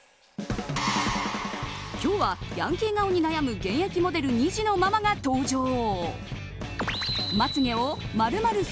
今日はヤンキー顔に悩む現役モデル２児のママが登場。